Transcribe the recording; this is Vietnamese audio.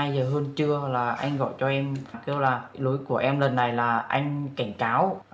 vào một mươi hai h hơn trưa là anh gọi cho em kêu là lối của em lần này là anh cảnh cáo